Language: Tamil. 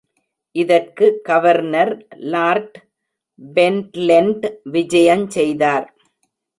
இதற்கு கவர்னர் லார்ட் பென்ட்லென்ட் விஜயஞ் செய்தார்.